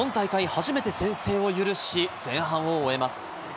初めて先制を許し、前半を終えます。